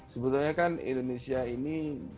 sebetulnya kan indonesia ini